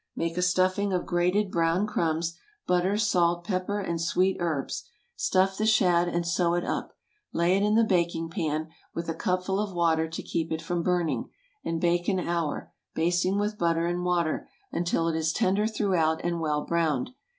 Make a stuffing of grated bread crumbs, butter, salt, pepper, and sweet herbs. Stuff the shad and sew it up. Lay it in the baking pan, with a cupful of water to keep it from burning, and bake an hour, basting with butter and water, until it is tender throughout and well browned.